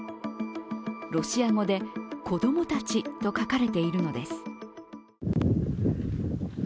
ロシア語で「子供たち」と書かれているのです。